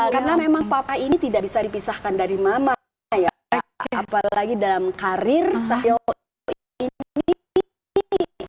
karena memang papa ini tidak bisa dipisahkan dari mama ya apalagi dalam karir sahyo ini